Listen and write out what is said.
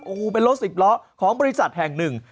โอ้โหเป็นรถสิบล้อของบริษัทแห่งหนึ่ง